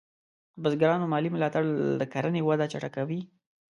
د بزګرانو مالي ملاتړ د کرنې وده چټکه کوي.